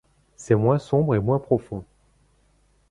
C’est moins sombre et moins profond.